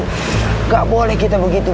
tidak boleh kita begitu